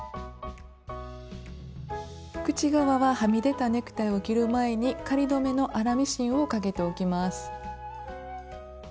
口側ははみ出たネクタイを切る前に仮留めの粗ミシンをかけておきます。